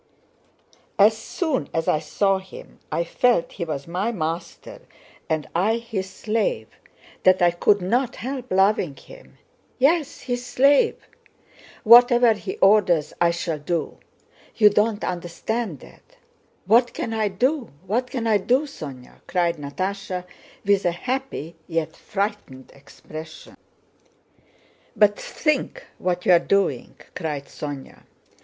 As soon as I saw him I felt he was my master and I his slave, and that I could not help loving him. Yes, his slave! Whatever he orders I shall do. You don't understand that. What can I do? What can I do, Sónya?" cried Natásha with a happy yet frightened expression. "But think what you are doing," cried Sónya.